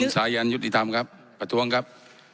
สายันยุติธรรมครับประท้วงครับ